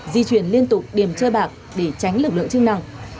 di chuyển liên tục điểm chơi bạc để tránh lực lượng chức năng